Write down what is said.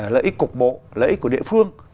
lợi ích cục bộ lợi ích của địa phương